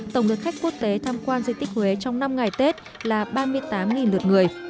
tổng lượt khách quốc tế tham quan di tích huế trong năm ngày tết là ba mươi tám lượt người